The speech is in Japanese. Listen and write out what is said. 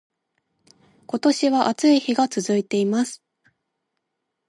今年は暑い日が続いています